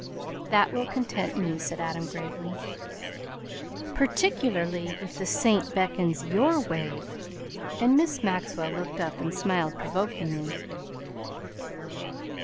"That will content me," said Adam gravely. "Particularly if the saint beckons your way." And Miss Maxwell looked up and smiled provokingly.